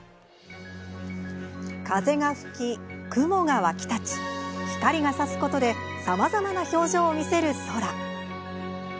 風が吹き、雲が湧き立ち光がさすことでさまざまな表情を見せる空。